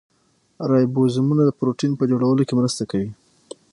رایبوزومونه د پروټین په جوړولو کې مرسته کوي